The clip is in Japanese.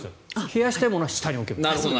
冷やしたいものは下に置く。